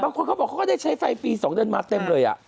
บางคนบอกว่าเขาจะได้ใช้ไฟปี่๒เดือนมากเต็มเลย